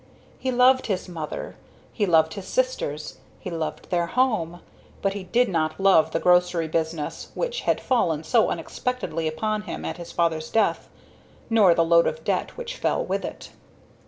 He loved his mother, he loved his sisters, he loved their home, but he did not love the grocery business which had fallen so unexpectedly upon him at his father's death, nor the load of debt which fell with it.